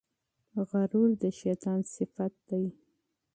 غرور د شیطان صفت دی.